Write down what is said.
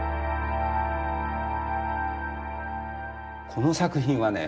この作品はね